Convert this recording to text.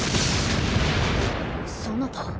そなた。